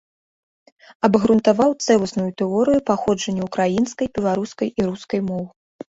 Абгрунтаваў цэласную тэорыю паходжання ўкраінскай, беларускай і рускай моў.